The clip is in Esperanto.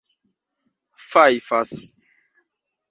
fajfas